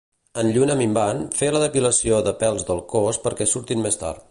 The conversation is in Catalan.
En lluna minvant fer la depilació de pèls del cos perquè surtin més tard